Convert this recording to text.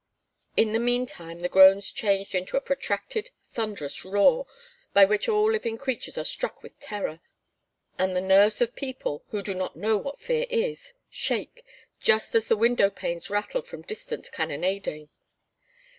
In the meantime the groans changed into the protracted, thunderous roar by which all living creatures are struck with terror, and the nerves of people, who do not know what fear is, shake, just as the window panes rattle from distant cannonading.